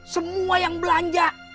semua yang belanja